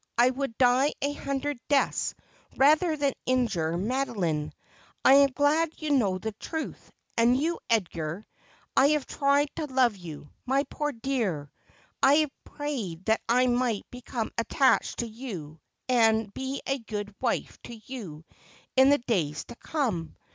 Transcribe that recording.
I would die a hundred deaths rather than injure Madoline. I am glad you know the truth. And you, Edgar, I have tried to love you, my poor dear ; I have prayed that I might become attached to you, and be a good wife to you in the days to come.